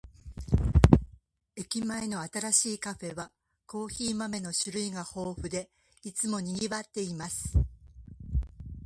駅前の新しいカフェは、コーヒー豆の種類が豊富で、いつも賑わっています。